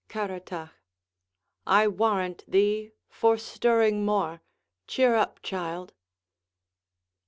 Caratach I warrant thee, for stirring more: cheer up, child.